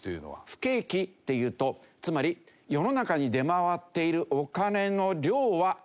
不景気っていうとつまり世の中に出回っているお金の量はどうなってるかな？